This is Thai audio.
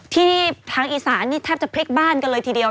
ที่นี่ทางอีสานนี่แทบจะพลิกบ้านกันเลยทีเดียว